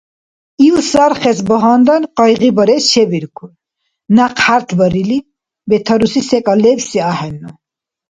Ил сархес багьандан къайгъибарес чебиркур, някъ хӀяртбарили, бетаруси секӀал лебси ахӀенну.